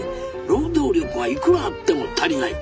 労働力がいくらあっても足りない。